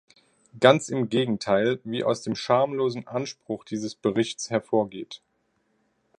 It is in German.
Ganz im Gegenteil, wie aus dem schamlosen Anspruch dieses Berichts hervorgeht.